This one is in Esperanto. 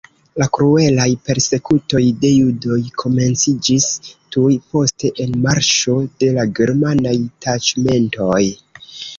La kruelaj persekutoj de judoj komenciĝis tuj post enmarŝo de la germanaj taĉmentoj.